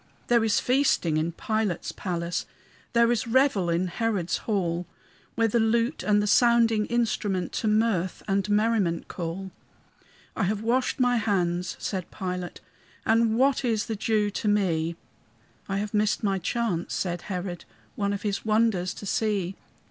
There is feasting in Pilate's palace, There is revel in Herod's hall, Where the lute and the sounding instrument To mirth and merriment call. "I have washed my hands," said Pilate, "And what is the Jew to me?" "I have missed my chance," said Herod, "One of his wonders to see.